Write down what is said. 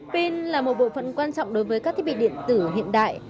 pin là một bộ phận quan trọng đối với các thiết bị điện tử hiện đại